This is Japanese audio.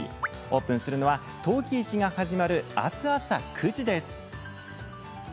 オープンするのは陶器市が始まるあす朝９時です。